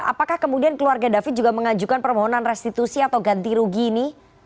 apakah kemudian keluarga david juga mengajukan permohonan restitusi atau ganti rugi ini